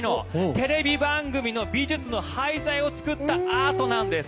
テレビ番組の美術の廃材を使ったアートなんです。